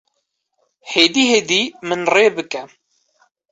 Hêdî hêdî min rê bike